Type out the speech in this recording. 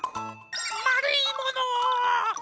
まるいもの！